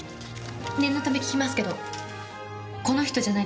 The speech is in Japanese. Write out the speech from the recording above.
念のため訊きますけどこの人じゃないですよね？